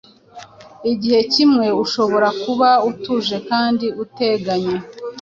Igihe kimwe ushobora kuba utuje kandi utekanye,